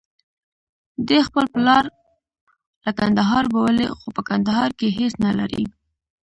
دی خپل پلار له کندهار بولي، خو په کندهار کې هېڅ نلري.